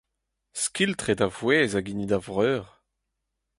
Skiltr eo da vouezh hag hini da vreur.